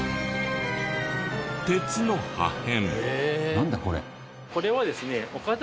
鉄の破片。